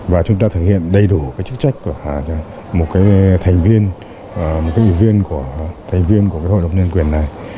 và chúng ta thực hiện đầy đủ chức trách của một thành viên của hội đồng nhân quyền này